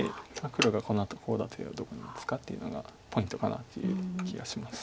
黒がこのあとコウ立てをどこに打つかっていうのがポイントかなという気がします。